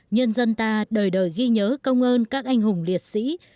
nhân dân ta đời đời ghi nhớ công ơn các anh hùng liệt sĩ